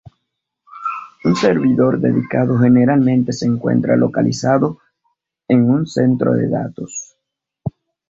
Un servidor dedicado generalmente se encuentra localizado en un centro de datos.